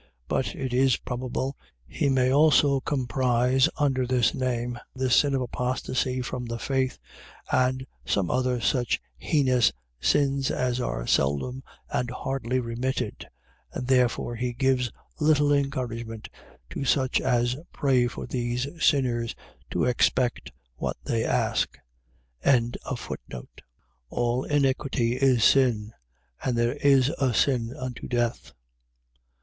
But, it is probable, he may also comprise under this name, the sin of apostasy from the faith, and some other such heinous sins as are seldom and hardly remitted: and therefore he gives little encouragement, to such as pray for these sinners, to expect what they ask. 5:17. All iniquity is sin. And there is a sin unto death.